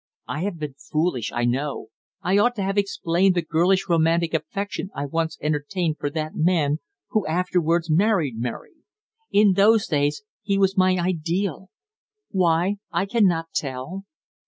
I have been foolish, I know. I ought to have explained the girlish romantic affection I once entertained for that man who afterwards married Mary. In those days he was my ideal. Why, I cannot tell.